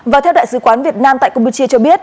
và theo đại sứ quán việt nam tại campuchia cho biết